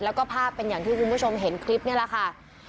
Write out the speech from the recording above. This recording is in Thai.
แล้วก็ภาพเป็นอย่างที่คุณผู้ชมเห็นคลิปนี่แหละค่ะ